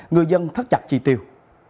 người dân thất chặt chi tiêu